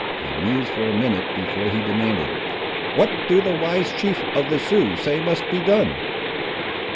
He mused for a minute before he demanded— "What do the wise chiefs of the Sioux say must be done?"